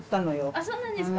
あそうなんですか。